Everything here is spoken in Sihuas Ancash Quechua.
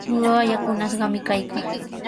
Ñuqaqa yakunashqami kaykaa.